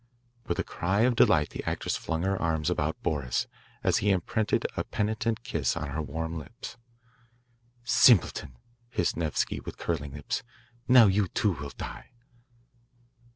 With a cry of delight the actress flung her arms about Boris, as he imprinted a penitent kiss on her warm lips. "Simpleton," hissed Nevsky with curling lips. "Now you, too, will die."